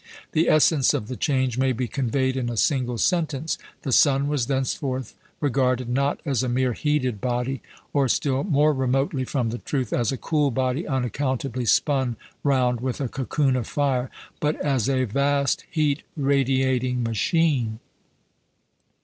The essence of the change may be conveyed in a single sentence. The sun was thenceforth regarded, not as a mere heated body, or still more remotely from the truth as a cool body unaccountably spun round with a cocoon of fire, but as a vast heat radiating machine.